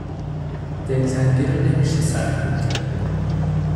دلتنگی رو نمی شه سرکوب کرد